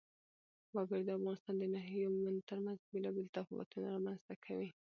وګړي د افغانستان د ناحیو ترمنځ بېلابېل تفاوتونه رامنځ ته کوي.